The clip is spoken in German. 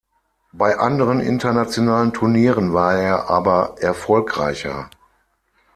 Bei anderen internationalen Turnieren war er aber erfolgreicher.